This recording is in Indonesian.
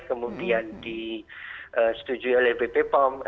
kemudian disetujui oleh bp pom